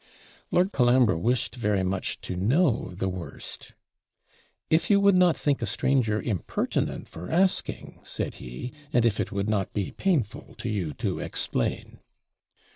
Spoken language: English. Lord Colambre wished very much to know the worst. 'If you would not think a stranger impertinent for asking,' said he, 'and if it would not be painful to you to explain.'